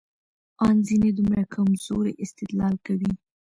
ان ځينې دومره کمزورى استدلال کوي،